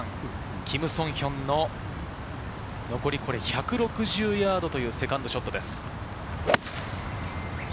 キム・ソンヒョンの残り１６０ヤードというセカンドショットです。